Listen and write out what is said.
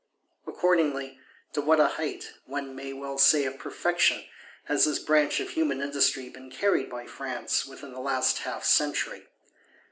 Accordingly, to what a height, one may well say of perfection, has this branch of human industry been carried by France, within the last half century!